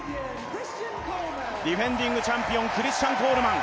ディフェンディングチャンピオン、クリスチャン・コールマン。